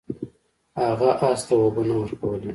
هغه اس ته اوبه نه ورکولې.